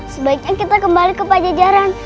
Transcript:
sebaiknya kita kembali ke pajajaran